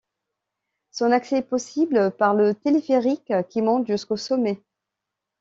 Son accès est possible par le téléphérique qui monte jusqu'au sommet.